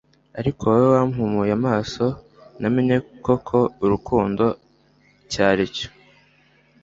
ariko wowe wampumuye amaso namenye koko urukundo icyaricyo